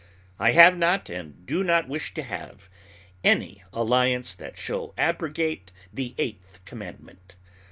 I have not, and do not wish to have, any alliance that shall abrogate the eighth commandment.